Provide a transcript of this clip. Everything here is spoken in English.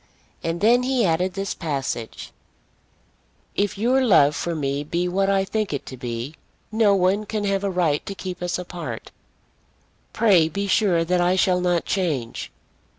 And then he added this passage: "If your love for me be what I think it to be, no one can have a right to keep us apart. Pray be sure that I shall not change.